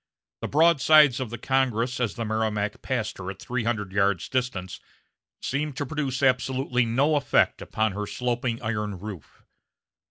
The broadsides of the Congress, as the Merrimac passed her at three hundred yards' distance, seemed to produce absolutely no effect upon her sloping iron roof.